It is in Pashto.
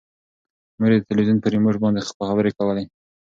مور یې د تلویزون په ریموټ باندې خبرې کولې.